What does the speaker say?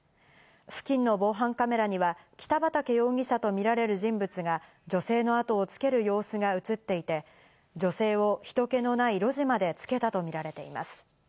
付近の防犯カメラには北畠容疑者とみられる人物が女性の後をつける様子が映っていて、女性を人けのない路地まで、つけたとみられています。